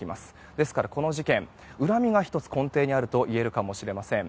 ですから、この事件恨みが１つ根底にあるといえるかもしれません。